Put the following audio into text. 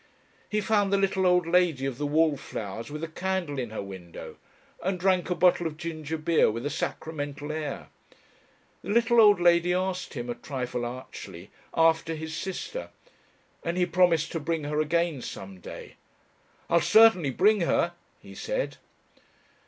He found the little old lady of the wallflowers with a candle in her window, and drank a bottle of ginger beer with a sacramental air. The little old lady asked him, a trifle archly, after his sister, and he promised to bring her again some day. "I'll certainly bring her," he said.